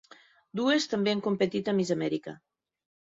Dues també han competit a Miss Amèrica.